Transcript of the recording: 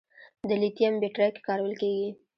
د لیتیم بیټرۍ کې کارول کېږي.